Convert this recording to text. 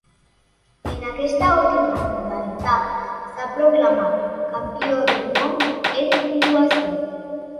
En aquesta última modalitat s'ha proclamat Campió del món en Puntuació.